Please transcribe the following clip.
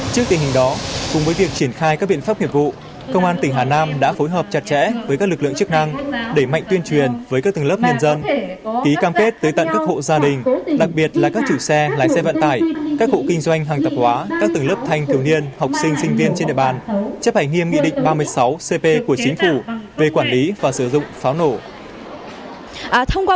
trước tình hình đó cùng với việc triển khai các biện pháp hiệp vụ công an tỉnh hà nam đã phối hợp chặt chẽ với các lực lượng chức năng để mạnh tuyên truyền với các từng lớp nhân dân ký cam kết tới tận các hộ gia đình đặc biệt là các chủ xe lái xe vận tải các hộ kinh doanh hàng tập hóa các từng lớp thanh thường niên học sinh sinh viên trên địa bàn chấp hành nghiêm nghị định ba mươi sáu cp của chính phủ về quản lý và sử dụng pháo nổ